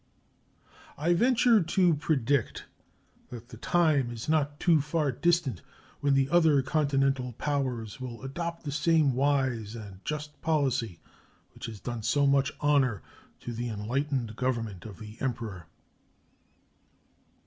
I venture to predict that the time is not far distant when the other continental powers will adopt the same wise and just policy which has done so much honor to the enlightened Government of the Emperor.